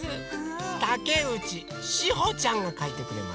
たけうちしほちゃんがかいてくれました。